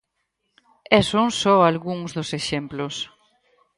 E son só algúns dos exemplos.